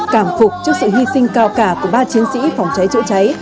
cảm phục trước sự hy sinh cao cả của ba chiến sĩ phòng cháy chữa cháy